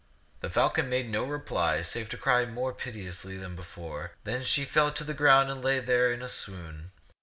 The falcon made no reply save to cry more piteously than before. Then she fell to the ground and lay there in a swoon.